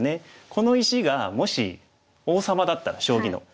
この石がもし王様だったら将棋の。